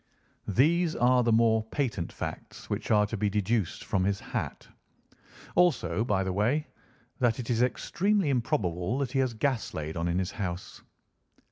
These are the more patent facts which are to be deduced from his hat. Also, by the way, that it is extremely improbable that he has gas laid on in his house."